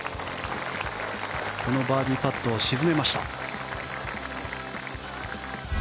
このバーディーパットを沈めました。